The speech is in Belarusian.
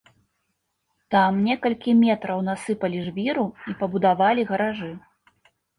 Там некалькі метраў насыпалі жвіру і пабудавалі гаражы.